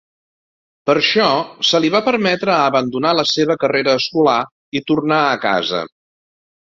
Per això, se li va permetre abandonar la seva carrera escolar i tornar a casa.